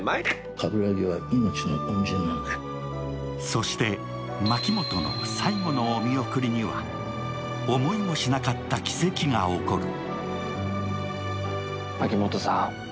そして、牧本の最後のおみおくりには、思いもしなかった奇跡が起こる。